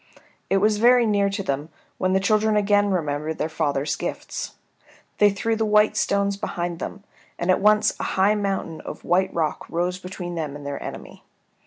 It was very near to them, when the children again remembered their father's gifts. They threw the white stones behind them, and at once a high mountain of white rock rose between them and their enemy.